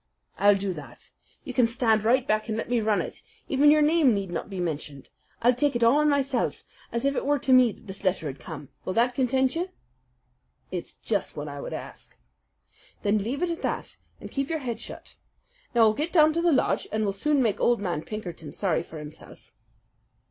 "I'll do that. You can stand right back and let me run it. Even your name need not be mentioned. I'll take it all on myself, as if it were to me that this letter has come. Will that content you?" "It's just what I would ask." "Then leave it at that and keep your head shut. Now I'll get down to the lodge, and we'll soon make old man Pinkerton sorry for himself."